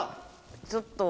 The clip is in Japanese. ちょっと。